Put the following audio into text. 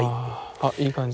あっいい感じ。